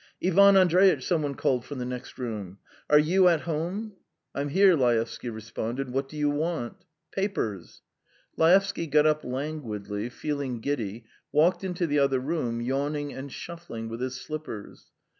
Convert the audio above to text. ... "Ivan Andreitch!" some one called from the next room. "Are you at home?" "I'm here," Laevsky responded. "What do you want?" "Papers." Laevsky got up languidly, feeling giddy, walked into the other room, yawning and shuffling with his slippers.